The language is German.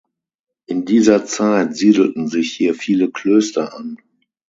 In dieser Zeit siedelten sich hier viele Klöster an.